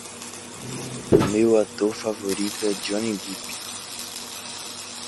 Meu ator favorito é Johnny Depp.